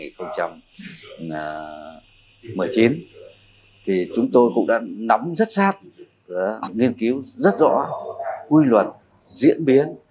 thì chúng tôi cũng đã nắm rất sát nghiên cứu rất rõ quy luật diễn biến